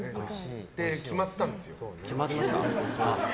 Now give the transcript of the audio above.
それに決まったんですよ。